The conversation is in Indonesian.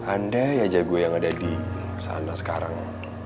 andai aja gue yang ada di sana sekarang